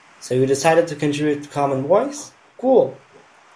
So you decided to contribute to Common Voice? cool!